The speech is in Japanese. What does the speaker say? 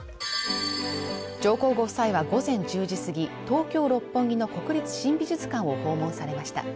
上皇ご夫妻は午前１０時過ぎ東京・六本木の国立新美術館を訪問されました